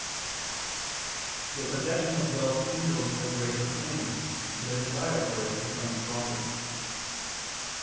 that "the possession of wealth kindles a greater flame and the desire for it becomes stronger."